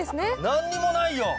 何にもないよ。